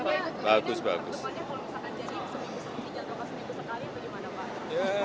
lepasnya kalau misalkan jadi bisa menginjal ke pasien itu sekali apa gimana pak